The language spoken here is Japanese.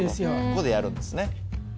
ここでやるんですね。